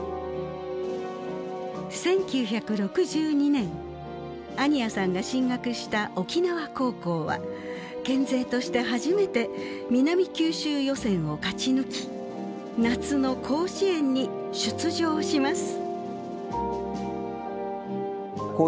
１９６２年安仁屋さんが進学した沖縄高校は県勢として初めて南九州予選を勝ち抜き夏の甲子園に出場します。